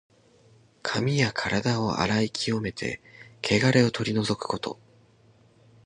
髪やからだを洗い清めて、けがれを取り除くこと。